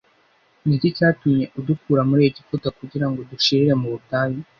ni iki cyatumye udukura muri egiputa kugira ngo dushirire mu butayu‽